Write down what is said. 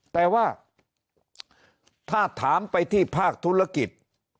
แต่ว่าถ้าถามไปที่ภาคธุรกิจ